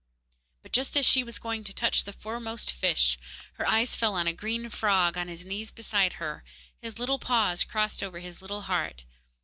But just as she was going to touch the foremost fish, her eyes fell on a green frog on his knees beside her, his little paws crossed over his little heart.